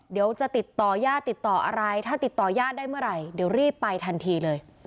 เดี๋ยวจะติดต่อยาดติดต่ออะไรถ้าติดต่อญาติได้เมื่อไหร่เดี๋ยวรีบไปทันทีเลย